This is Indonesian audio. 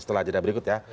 setelah jeda berikut ya